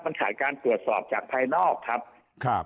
มันขาดการตรวจสอบจากภายนอกครับครับ